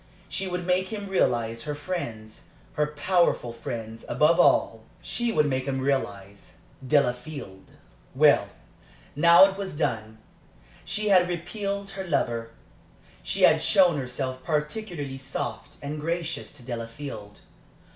She would make him realize her friends, her powerful friends above all, she would make him realize Delafield. Well, now it was done. She had repelled her lover. She had shown herself particularly soft and gracious to Delafield.